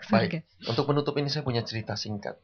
baik untuk menutup ini saya punya cerita singkat